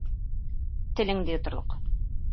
Теленде йоторлоҡ!